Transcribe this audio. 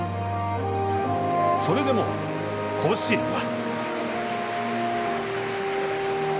それでも甲子園は。